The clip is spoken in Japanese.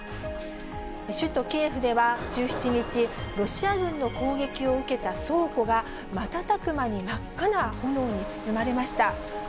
首都キエフでは、１７日、ロシア軍の攻撃を受けた倉庫が、瞬く間に真っ赤な炎に包まれました。